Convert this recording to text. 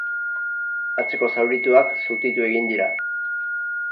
Atzeko zaurituak zutitu egin dira...